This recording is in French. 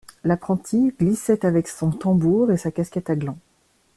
L'apprenti glissait avec son tambour et sa casquette à gland.